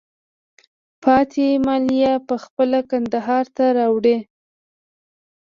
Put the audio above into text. پاتې مالیه په خپله کندهار ته راوړئ.